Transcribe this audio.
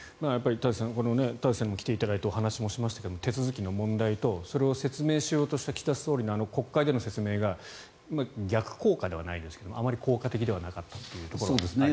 田崎さん田崎さんにも来ていただいてお話もしましたけど手続きの問題とそれを説明しようとした岸田総理の国会での説明が逆効果ではないですけれどあまり効果的ではなかったというところはありましたね。